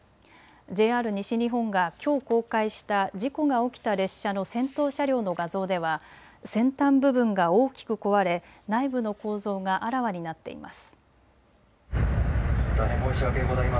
ＪＲ西日本がきょう公開した事故が起きた列車の先頭車両の画像では先端部分が大きく壊れ内部の構造があらわになっています。